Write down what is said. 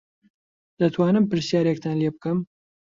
دەتوانم پرسیارێکتان لێ بکەم؟